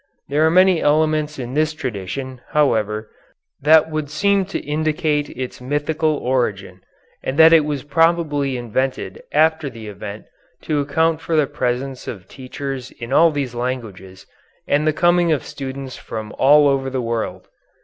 There are many elements in this tradition, however, that would seem to indicate its mythical origin and that it was probably invented after the event to account for the presence of teachers in all these languages and the coming of students from all over the world.